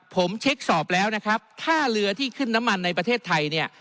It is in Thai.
ผมเช็คสอบแล้วนะครับท่าเรือที่ขึ้นน้ำมันในประเทศไทยเนี่ย